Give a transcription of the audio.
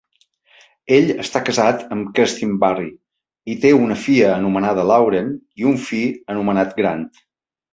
Ell està casat amb Kerstin Barry i té una filla anomenada Lauren i un fill anomenat Grant.